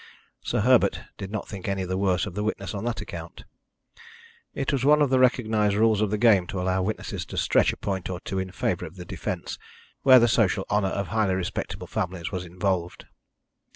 Sir Herbert did not think any the worse of the witness on that account. It was one of the recognised rules of the game to allow witnesses to stretch a point or two in favour of the defence where the social honour of highly respectable families was involved.